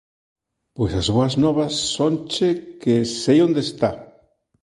Pois as boas novas sonche que sei onde está.